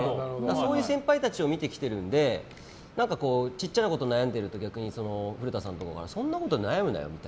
そういう先輩たちを見てきているので小さなこと悩んでいると逆に古田さんとかそんなことで悩むなよって。